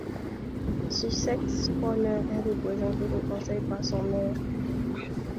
Sussex Corner est représenté au conseil par son maire.